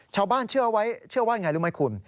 ชาวบ้านเชื่อไว้เชื่อว่าอย่างไรรู้ไหมคุณ